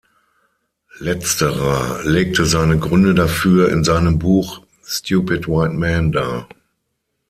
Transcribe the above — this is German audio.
Letzterer legte seine Gründe dafür in seinem Buch "Stupid White Men" dar.